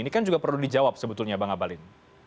ini kan juga perlu dijawab sebetulnya bang abalin